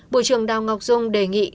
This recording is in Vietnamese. bộ trưởng đào ngọc dung đề nghị